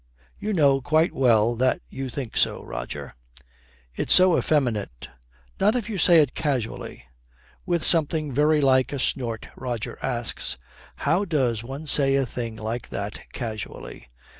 'You know quite well that you think so, Roger.' 'It's so effeminate.' 'Not if you say it casually.' With something very like a snort Roger asks, 'How does one say a thing like that casually?'